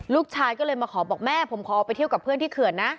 ลูกชายก็เลยมาขอบอกแม่ผมขอไปเที่ยวกับเพื่อนที่เขื่อนนะ